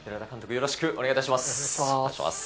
よろしくお願いします。